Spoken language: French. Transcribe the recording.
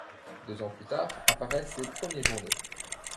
Deux ans plus tard apparaissent les premiers journaux.